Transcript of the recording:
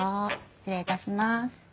失礼いたします。